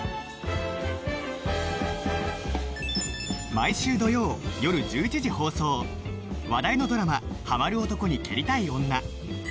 毎週土曜よる１１時放送話題のドラマ『ハマる男に蹴りたい女』